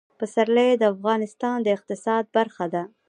پسرلی د افغانستان د اقتصاد برخه ده.